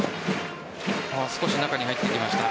少し中に入ってきました。